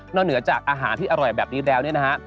เหนือจากอาหารที่อร่อยแบบนี้แล้วเนี่ยนะฮะ